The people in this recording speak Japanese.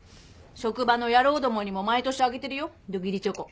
職場の野郎どもにも毎年あげてるよど義理チョコ。